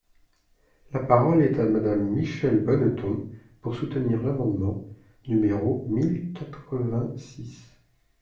La parole est à Madame Michèle Bonneton, pour soutenir l’amendement numéro mille quatre-vingt-six.